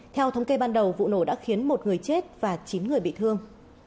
theo thống kê ban đầu vụ nổ đã khiến một người chết và chín người bị thương